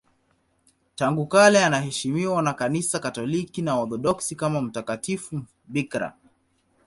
Tangu kale anaheshimiwa na Kanisa Katoliki na Waorthodoksi kama mtakatifu bikira.